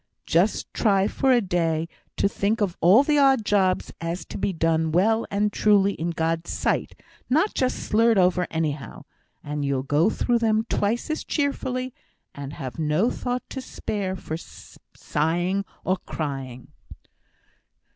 Just try for a day to think of all the odd jobs as has to be done well and truly as in God's sight, not just slurred over anyhow, and you'll go through them twice as cheerfully, and have no thought to spare for sighing or crying."